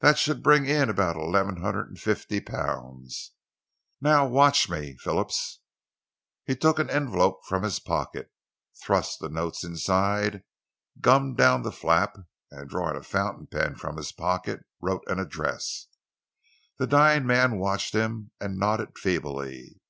"That should bring in about eleven hundred and fifty pounds. Now watch me, Phillips." He took an envelope from his pocket, thrust the notes inside, gummed down the flap, and, drawing a fountain pen from his pocket, wrote an address. The dying man watched him and nodded feebly.